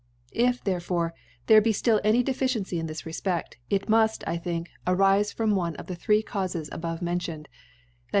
If therefore there be ft ill any Deficiency i» this Refped:, it muft, I M^ink, arife from one of the three Caufes abovemencioned; thac